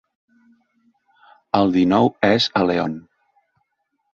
El dinou és a León.